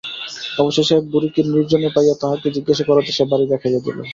অবশেষে এক বুড়িকে নির্জনে পাইয়া তাহাকেই জিজ্ঞাসা করাতে সে বাড়ি দেখাইয়া দিল।